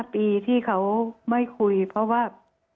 ปีที่เขาไม่คุยเพราะว่า